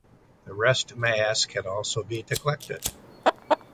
The rest mass can also be neglected.